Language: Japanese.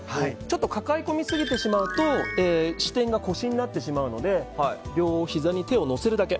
抱え込み過ぎてしまうと支点が腰になってしまうので両ひざに手をのせるだけ。